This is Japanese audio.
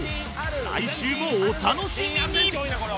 来週もお楽しみに！